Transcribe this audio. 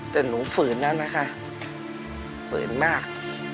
แต่หนูฝืนแล้วนะคะฝืนมาก